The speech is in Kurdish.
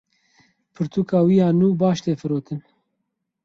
Pirtûka wî ya nû baş tê firotin.